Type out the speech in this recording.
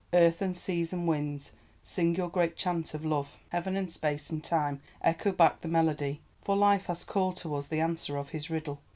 Earth, and Seas, and Winds, sing your great chant of love! Heaven and Space and Time, echo back the melody! For Life has called to us the answer of his riddle!